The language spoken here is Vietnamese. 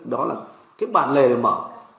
đó là cái bản lề đã mở